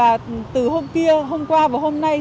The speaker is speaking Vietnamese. mặc dù là từ hôm kia hôm qua và hôm nay